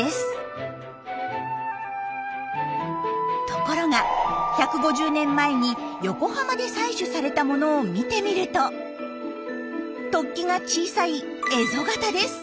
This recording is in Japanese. ところが１５０年前に横浜で採取されたものを見てみると突起が小さい「エゾ型」です。